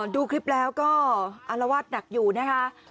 ดูคลิปแล้วก็อารวาสหนักอยู่นะคะ